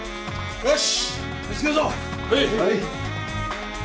よし。